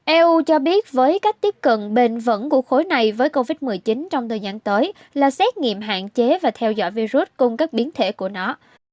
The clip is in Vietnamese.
eu cho biết với cách tiếp cận bền vững của khối này với covid một mươi chín trong thời gian tới là xét nghiệm hạn chế và theo dõi virus cùng các biến thể của nó